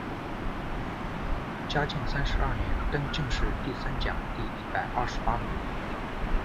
嘉靖三十二年，登进士第三甲第一百二十八名。